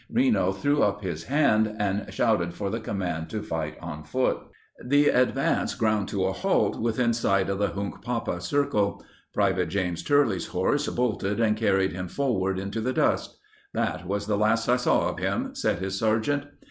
Reno threw up his hand and shouted for the com mand to fight on foot. The advance ground to a halt within sight of the Hunkpapa circle. Pvt. James Turley's horse bolted and carried him forward into the dust. "That was the last I saw of him," said his sergeant.